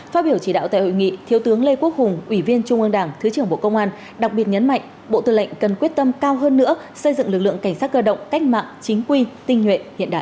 phát biểu chỉ đạo tại hội nghị thiếu tướng lê quốc hùng ủy viên trung ương đảng thứ trưởng bộ công an đặc biệt nhấn mạnh bộ tư lệnh cần quyết tâm cao hơn nữa xây dựng lực lượng cảnh sát cơ động cách mạng chính quy tinh nhuệ hiện đại